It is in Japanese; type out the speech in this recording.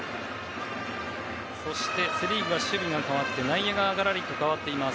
そして、セ・リーグは守備が変わって内野ががらりと変わっています。